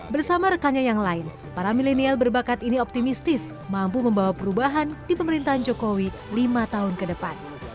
bersama rekannya yang lain para milenial berbakat ini optimistis mampu membawa perubahan di pemerintahan jokowi lima tahun ke depan